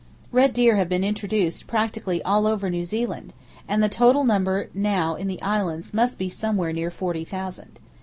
Red deer have been introduced practically all over New Zealand, and the total number now in the Islands must be somewhere near forty thousand.